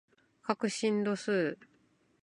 角振動数